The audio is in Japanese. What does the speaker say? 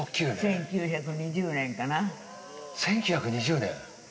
１９２０年かな。